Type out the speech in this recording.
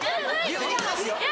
牛肉ですよ。